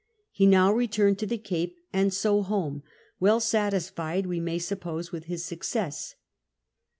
He now returned to the Capo, and so home, well satisfied, we may suppose, with his success.